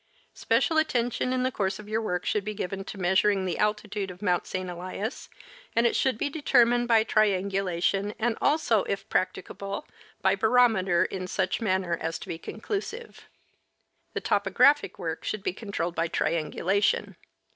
Special attention in the course of your work should be given to measuring the altitude of Mount St. Elias, and it should be determined by triangulation and also, if practicable, by barometer in such manner as to be conclusive. The topographic work should be controlled by triangulation.